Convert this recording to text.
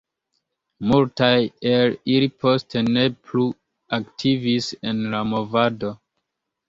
Multaj el ili poste ne plu aktivis en la movado.